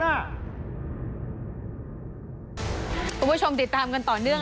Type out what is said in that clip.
คุณผู้ชมติดตามกันต่อเนื่อง